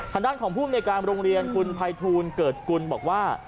ทางด้านของภูมิในการโรงเรียนคุณภัยทูลเกิดกุลบอกว่า